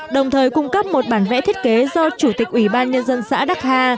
đồng thời cung cấp một bản vẽ thiết kế do chủ tịch ủy ban nhân dân xã đắc hà